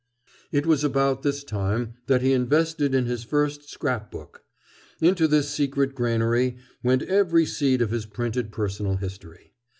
It was about this time that he invested in his first scrap book. Into this secret granary went every seed of his printed personal history.